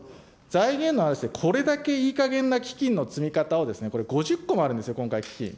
財源の話で、これだけいいかげんな基金の積み方をこれ、５０個もあるんですよ、今回、基金。